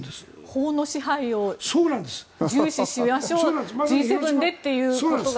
法の支配を重視しましょうＧ７でということが。